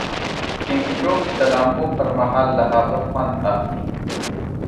کیم جونګ د لامبو پر مهال له هغه خوند اخلي.